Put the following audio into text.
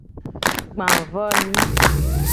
Gba vo nyi.